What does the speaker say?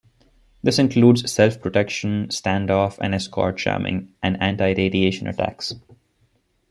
This includes self-protection, standoff, and escort jamming, and antiradiation attacks.